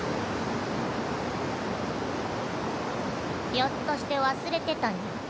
ひょっとして忘れてたニャ？